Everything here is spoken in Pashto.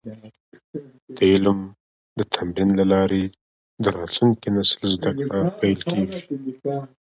د علم د تمرین له لارې د راتلونکي نسل زده کړه پېل کیږي.